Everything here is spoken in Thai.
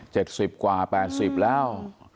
ใช่๗๐กว่า๘๐แล้ว